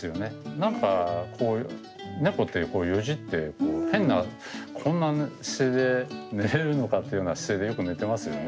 何かこう猫ってよじってこう変なこんな姿勢で寝れるのかっていうような姿勢でよく寝てますよね。